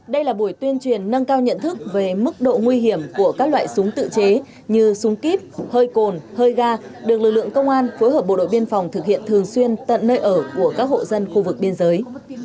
đây là buổi tuyên truyền nâng cao nhận thức về mức độ nguy hiểm của các loại súng tự chế như súng kíp hơi cồn hơi ga được lực lượng công an phối hợp bộ đội biên phòng thực hiện thường xuyên tận nơi ở của các hộ dân khu vực biên giới